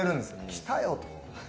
来たよ！と。